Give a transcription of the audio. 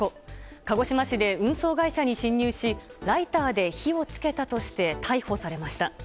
鹿児島市で運送会社に侵入しライターで火をつけたとして逮捕されました。